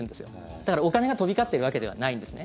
だからお金が飛び交っているわけではないんですね。